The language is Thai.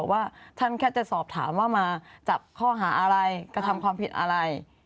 ว่าท่านแค่จะสอบถามว่ามาจับข้อหาอะไรกระทำความผิดอะไร